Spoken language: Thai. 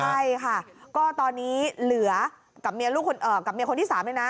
ใช่ค่ะก็ตอนนี้เหลือกับเมียคนที่๓เลยนะ